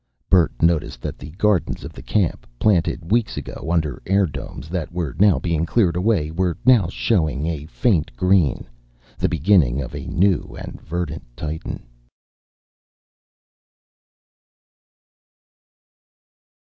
Bert noticed that the gardens of the camp, planted weeks ago under airdomes that were now being cleared away, were now showing a faint green. The beginning of a new and verdant Titan.